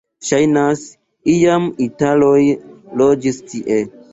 Ŝajnas, iam italoj loĝis tie.